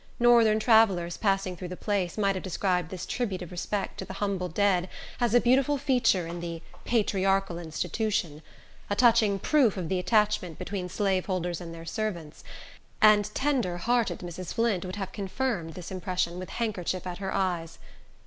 Northern travellers, passing through the place, might have described this tribute of respect to the humble dead as a beautiful feature in the "patriarchal institution;" a touching proof of the attachment between slaveholders and their servants; and tender hearted Mrs. Flint would have confirmed this impression, with handkerchief at her eyes.